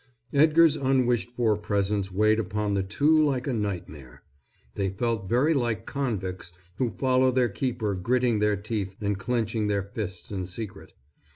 Edgar's unwished for presence weighed upon the two like a nightmare. They felt very like convicts who follow their keeper gritting their teeth and clenching their fists in secret.